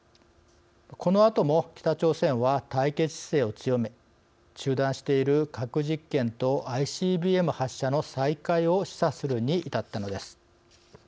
このあとも北朝鮮は対決姿勢を強め、中断している核実験とＩＣＢＭ発射の再開を示唆するに至ったのです。